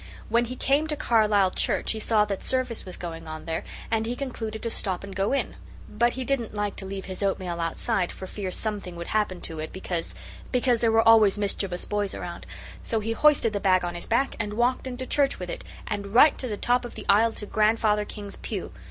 When he came to Carlisle church he saw that service was going on there, and he concluded to stop and go in. But he didn't like to leave his oatmeal outside for fear something would happen to it, because there were always mischievous boys around, so he hoisted the bag on his back and walked into church with it and right to the top of the aisle to Grandfather King's pew.